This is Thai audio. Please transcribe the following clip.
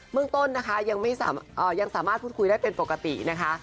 เมื่องต้นนะคะยังไม่สามารถยังสามารถพูดคุยได้เป็นปกตินะคะ